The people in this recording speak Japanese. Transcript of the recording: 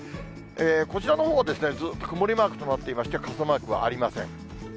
こちらのほうはずっと曇りマークとなっていまして、傘マークはありません。